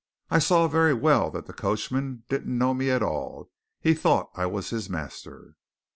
I saw very well that the coachman didn't know me at all he thought I was his master.